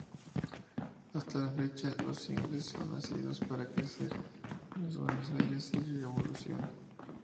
Hasta la fecha, los singles son Nacidos para creer, Mi Buenos Aires y Revolución.